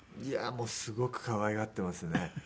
いやもうすごく可愛がってますね。